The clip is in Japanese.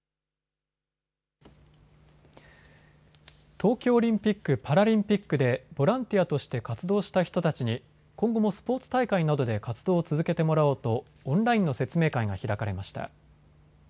東京オリンピック・パラリンピックでボランティアとして活動した人たちに今後もスポーツ大会などで活動を続けてもらおうとオンラインの説明会が開かれました。